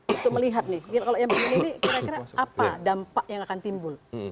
itu melihat nih kalau yang begini ini kira kira apa dampak yang akan timbul